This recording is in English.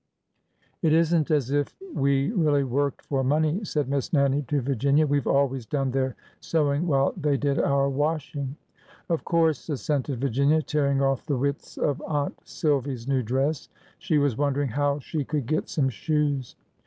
It is n't as if we really worked for money," said Miss Nannie to Virginia. " We 've always done their sewing while they did our washing." Of course," assented Virginia, tearing off the widths ^'THE OLD ORDER CHANGETH" 357 of Aunt Silvy's new dress. She was wondering how she could get some shoes.